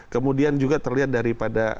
kemudian juga terlihat daripada